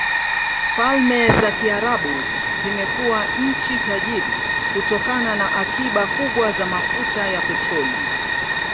Falme za Kiarabu zimekuwa nchi tajiri kutokana na akiba kubwa za mafuta ya petroli.